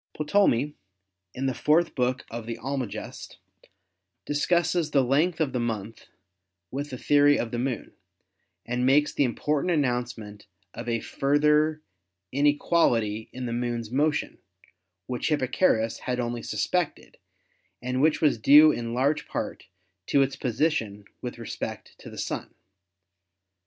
Ptolemy, in the fourth book of the "Almagest," discusses the length of the month with the theory of the Moon and makes the important announcement of a further inequal ity in the Moon's motion, which Hipparchus had only suspected and which was due in large part to its position with respect to the Sun.